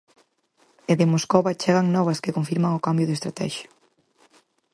E de Moscova chegan novas que confirman o cambio de estratexia.